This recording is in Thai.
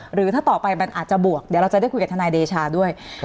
หรือถ้าต่อไปมันอาจจะบวกเดี๋ยวเราจะได้คุยกับทนายเดชาด้วย